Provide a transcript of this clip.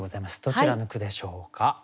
どちらの句でしょうか？